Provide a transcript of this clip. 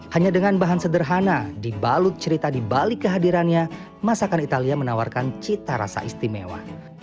hanya dengan bahan sederhana dibalut cerita di balik kehadirannya masakan italia menawarkan cita rasa istimewa